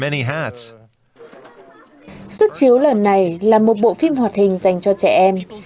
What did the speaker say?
xuất chiếu lần này là một bộ phim hoạt hình dành cho trẻ em